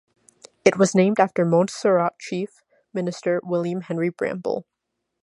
It was named after Montserrat Chief Minister William Henry Bramble.